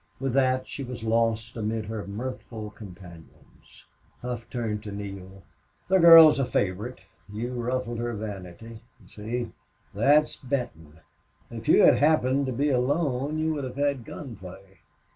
With that she was lost amid her mirthful companions. Hough turned to Neale. "The girl's a favorite. You ruffled her vanity... you see. That's Benton. If you had happened to be alone you would have had gunplay.